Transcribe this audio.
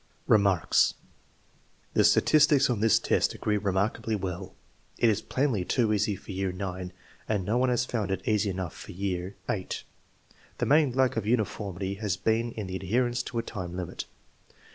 Remarks. The statistics on this test agree remarkably well. It is plainly too easy for year IX, and no one has found it easy enough for year VEL The main lack of uni formity has been in the adherence to a time limit.